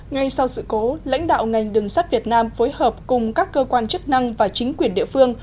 ngay sau sự cố lãnh đạo ngành đường sắt việt nam phối hợp cùng các cơ quan chức năng và chính quyền địa phương